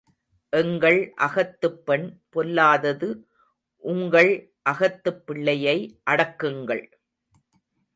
எங்கள் அகத்துப் பெண் பொல்லாதது உங்கள் அகத்துப் பிள்ளையை அடக்குங்கள்.